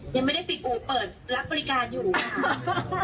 ยังไม่ได้ปิดอู่เปิดรับบริการอยู่นะคะ